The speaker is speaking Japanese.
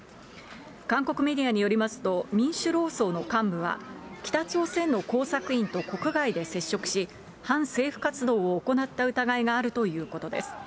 韓国メディアによりますと、民主労総の幹部は、北朝鮮の工作員と国外で接触し、反政府活動を行った疑いがあるということです。